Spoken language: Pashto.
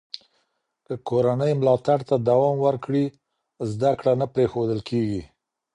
که کورنۍ ملاتړ ته دوام ورکړي، زده کړه نه پرېښودل کېږي.